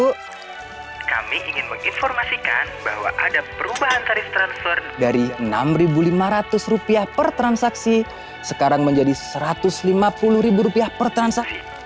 ibu kami ingin menginformasikan bahwa ada perubahan tarif transfer dari rp enam lima ratus per transaksi sekarang menjadi rp satu ratus lima puluh per transaksi